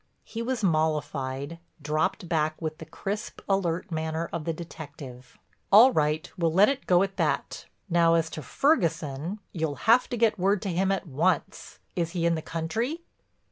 He was mollified, dropped back with the crisp, alert manner of the detective. "All right, we'll let it go at that. Now as to Ferguson—you'll have to get word to him at once. Is he in the country?"